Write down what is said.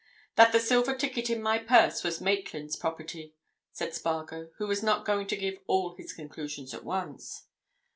"That the silver ticket in my purse was Maitland's property," said Spargo, who was not going to give all his conclusions at once.